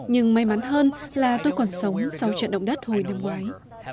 nhưng may mắn hơn là tôi còn sống sau trận động đất hồi năm ngoái